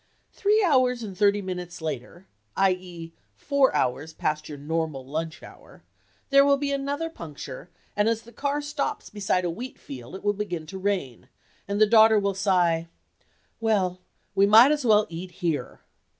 Three hours and thirty minutes later (i. e. four hours past your normal lunch hour) there will be another puncture and as the car stops beside a wheat field it will begin to rain, and the daughter will sigh, "Well, we might as well eat here."